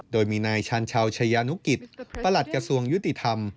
โดยมีนายชาญชาวชายานุกิจประหลัดกระทรวงยุติธรรม